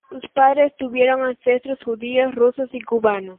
Sus padres tuvieron ancestros judíos rusos y cubanos.